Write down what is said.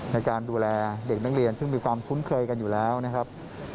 ในการดูแลเด็กนักเรียนซึ่งมีความคุ้นเคยกันอยู่แล้วนะครับ